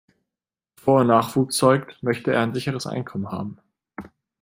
Bevor er Nachwuchs zeugt, möchte er ein sicheres Einkommen haben.